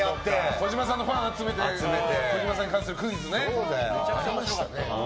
児嶋さんのファンを集めて児嶋さんに関するクイズね。